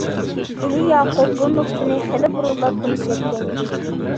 ئېلى ياقۇپ بۇ نۇقتىنى خېلى بۇرۇنلا تونۇپ يەتكەنىدى.